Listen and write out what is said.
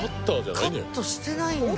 カットしてないんだ。